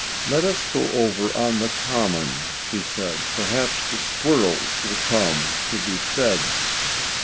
"Let us go over on the Common," she said. "Perhaps the squirrels will come to be fed."